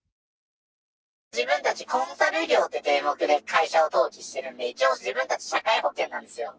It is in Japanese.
自分たち、コンサル業って名目で会社を登記してるんで、一応、自分たち、社会保険なんですよ。